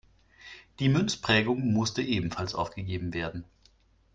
Die Münzprägung musste ebenfalls aufgegeben werden.